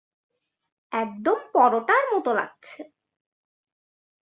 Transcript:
একদম পোরোটার মত লাগছে।